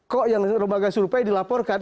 kok yang lembaga survei dilaporkan